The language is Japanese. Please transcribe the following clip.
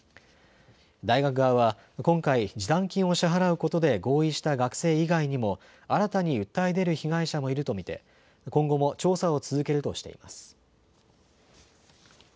大学側は今回、示談金を支払うことで合意した学生以外にも新たに訴え出る被害者もいると見て今後も調査を続けるとしています。